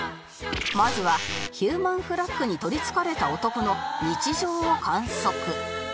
まずはヒューマンフラッグにとりつかれた男の日常を観測